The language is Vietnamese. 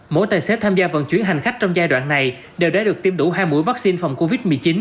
mỗi tài xế tham gia vận chuyển hành khách trong giai đoạn này đều đã được tiêm đủ hai mũi vaccine phòng covid một mươi chín